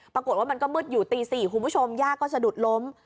ปรากฏว่ามันก็มืดอยู่ตี๔คุณผู้ชมย่าก็สะดุดล้ม